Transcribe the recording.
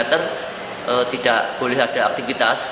tidak boleh ada aktivitas